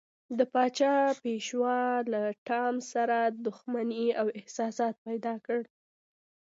د پاچا پیشو له ټام سره دښمني او حسادت پیدا کړ.